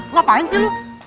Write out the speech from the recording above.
ngapain sih lu